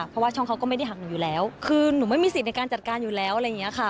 เพราะว่าช่องเขาก็ไม่ได้หักหนูอยู่แล้วคือหนูไม่มีสิทธิ์ในการจัดการอยู่แล้วอะไรอย่างนี้ค่ะ